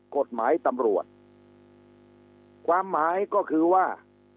กฎหมายตำรวจความหมายก็คือว่า